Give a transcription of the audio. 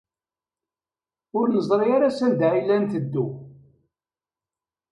Ur neẓri ara sanda ay la netteddu.